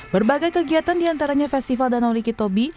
berbagai kegiatan di antaranya festival danau likitobi